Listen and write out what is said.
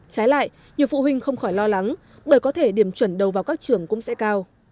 trái lại nhiều phụ huynh không khỏi lo lắng bởi có thể điểm chuẩn đầu vào các trường cũng sẽ cao